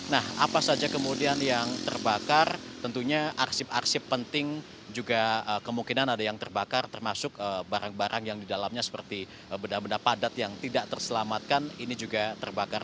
nah apa saja kemudian yang terbakar tentunya arsip arsip penting juga kemungkinan ada yang terbakar termasuk barang barang yang di dalamnya seperti benda benda padat yang tidak terselamatkan ini juga terbakar